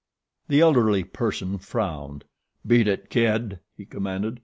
The elderly person frowned. "Beat it, kid!" he commanded.